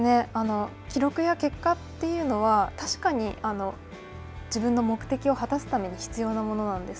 記録や結果というのは確かに自分の目的を果たすために必要なものなんです。